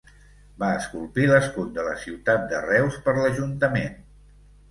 Va esculpir l'escut de la ciutat de Reus per l'ajuntament.